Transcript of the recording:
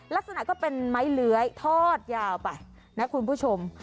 ลักษณะก็เป็นไม้เลื้อยทอดยาวไปนะคุณผู้ชม